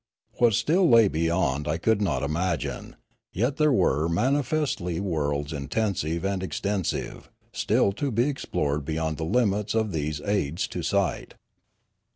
What still lay beyond I could not imagine, yet there were manifestly worlds, intensive and extensive, still to be explored beyond the limits of these aids to sight.